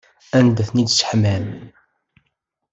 Anda ay ten-id-tesseḥmam?